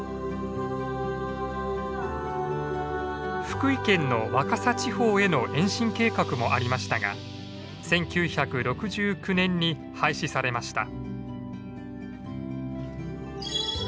福井県の若狭地方への延伸計画もありましたが１９６９年に廃止されました。